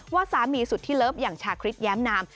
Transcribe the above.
ว่าสามีสุดที่เลิฟอย่างชาคริสแย้มนาม